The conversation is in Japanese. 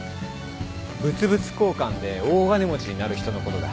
物々交換で大金持ちになる人のことだ。